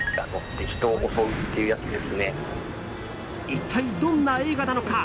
一体どんな映画なのか